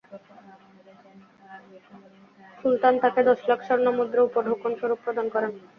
সুলতান তাকে দশ লাখ স্বর্ণমুদ্রা উপঢৌকন স্বরূপ প্রদান করেন।